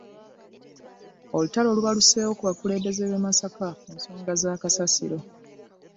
Olutalo lubaluseewo ku bakulembeze b'e Masaka ku nsonga za kasasiro.